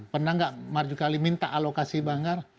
pernah nggak marjuki ali minta alokasi banggar